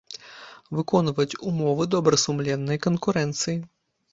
Выконваць умовы добрасумленнай канкурэнцыi.